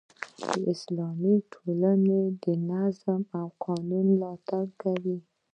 اسلام د ټولنې د نظم او قانون ملاتړ کوي.